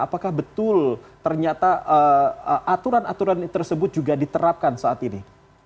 apakah betul ternyata aturan aturan tersebut juga diterapkan saat ini